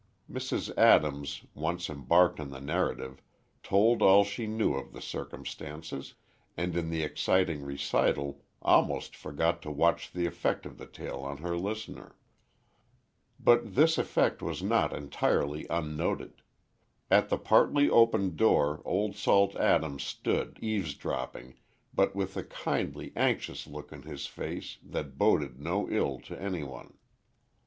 Mrs. Adams, once embarked on the narrative, told all she knew of the circumstances, and in the exciting recital, almost forgot to watch the effect of the tale on her listener. But this effect was not entirely unnoted. At the partly open door, Old Salt Adams, stood, eavesdropping, but with a kindly, anxious look on his face, that boded no ill to any one.